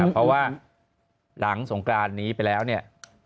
เพราะว่าหลังสงกรานนี้ไปแล้วเนี่ย